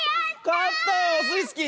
かったよオスイスキー！